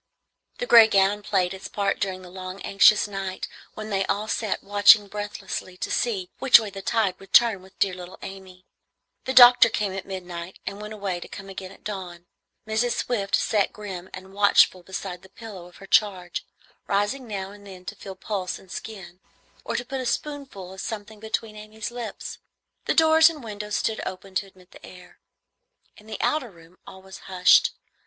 The gray gown played its part during the long anxious night when they all sat watching breathlessly to see which way the tide would turn with dear little Amy. The doctor came at midnight, and went away to come again at dawn. Mrs. Swift sat grim and watchful beside the pillow of her charge, rising now and then to feel pulse and skin, or to put a spoonful of something between Amy's lips. The doors and windows stood open to admit the air. In the outer room all was hushed.